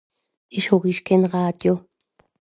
ich horich kenn Radio